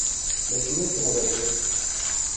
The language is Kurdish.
me çîrok ji hev re digot